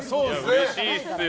うれしいですよ。